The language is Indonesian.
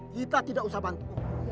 kita tidak usah bantu